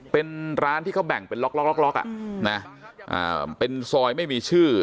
เป็นร้านที่เขาแบ่งเป็นล็อกเป็นซอยไม่มีชื่อ